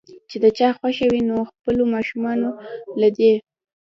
چې د چا خوښه وي نو خپلو ماشومانو له دې